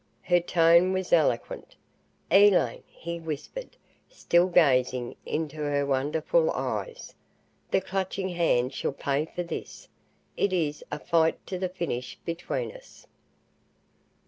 Her tone was eloquent. "Elaine," he whispered, still gazing into her wonderful eyes, "the Clutching Hand shall pay for this! It is a fight to the finish between us!"